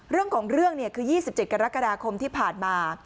เรื่องของเรื่องเนี่ยคือยี่สิบเจ็ดกรกฎาคมที่ผ่านมา